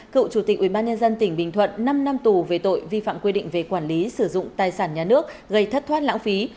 cựu chủ tịch ubnd tỉnh bình thuận năm năm tù về tội vi phạm quy định về quản lý sử dụng tài sản nhà nước gây thất thoát lãng phí